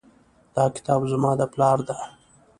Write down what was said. دا کتاب زما د پلار ده